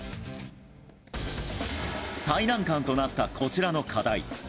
最難関となった、こちらの課題。